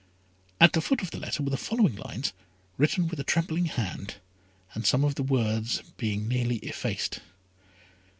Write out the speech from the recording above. At the foot of the letter were the following lines, written with a trembling hand, and some of the words being nearly effaced.